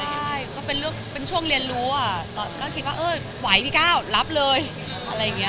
ใช่ก็เป็นเรื่องเป็นช่วงเรียนรู้อ่ะก็คิดว่าเออไหวพี่ก้าวรับเลยอะไรอย่างเงี้ย